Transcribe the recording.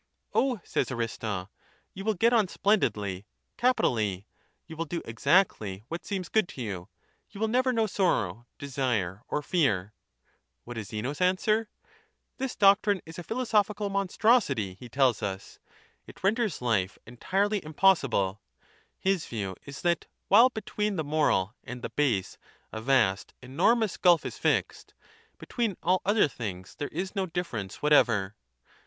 O, says Aristo, you will get on splendidly, capitally; you will do exactly what seems good to you ; you will never know sorrow, desire or fear. rO What is Zeno's answer .'' This doctrine is a philo sophical monstrosity, he tells us, it renders life entirely impossible ; his view is that while between the moral and the base a vast, enormous gulf is fixed, between all other things there is no difference J ] whatever.